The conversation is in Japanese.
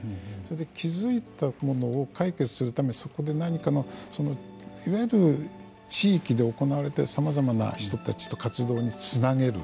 気付いたものを解決するためにそこまで何かのいわゆる地域で行われているさまざまな人たちと活動につなげる。